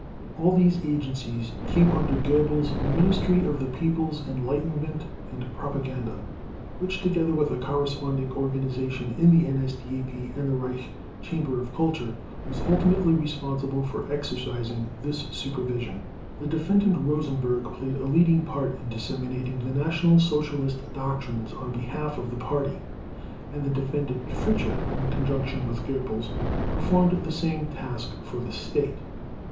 All these agencies came under Goebbels' Ministry of the People's Enlightenment and Propaganda, which together with a corresponding organization in the NSDAP and the Reich Chamber of Culture, was ultimately responsible for exercising this supervision. The Defendant Rosenberg played a leading part in disseminating the National Socialist doctrines on behalf of the Party, and the Defendant Fritzsche, in conjunction with Goebbels, performed the same task for the State.